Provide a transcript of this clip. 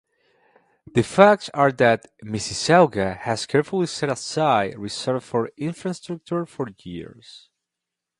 The facts are that Mississauga has carefully set aside reserves for infrastructure for years.